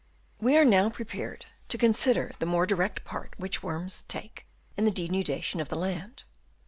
We are now prepared to consider the more direct part which worms take in the denuda tion of the land.